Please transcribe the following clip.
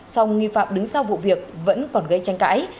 song nghi phạm đứng sau vụ việc vẫn còn gây tranh cãi